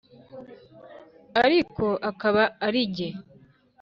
aliko akaba alijye